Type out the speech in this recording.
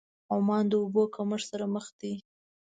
عمان د اوبو کمښت سره مخ دی.